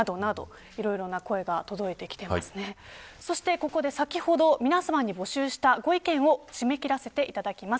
ここで先ほど皆さんに募集したご意見を締め切らせていただきます。